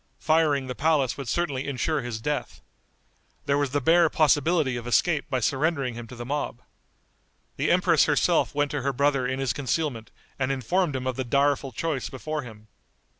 Firing the palace would certainly insure his death. There was the bare possibility of escape by surrendering him to the mob. The empress herself went to her brother in his concealment and informed him of the direful choice before him.